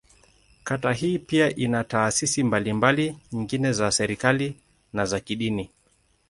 Kata hii pia ina taasisi mbalimbali nyingine za serikali, na za kidini.